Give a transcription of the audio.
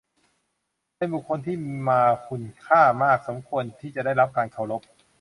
เป็นบุคคลที่มาคุณค่ามาก สมควรที่จะได้รับการเคารพ